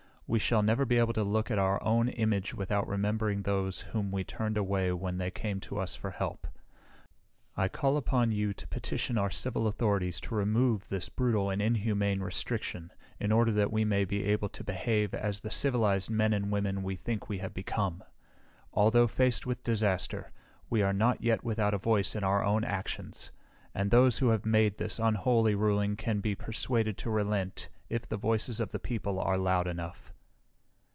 We shall never be able to look at our own image without remembering those whom we turned away when they came to us for help. I call upon you to petition our civil authorities to remove this brutal and inhumane restriction in order that we may be able to behave as the civilized men and women we think we have become. Although faced with disaster, we are not yet without a voice in our own actions, and those who have made this unholy ruling can be persuaded to relent if the voices of the people are loud enough!"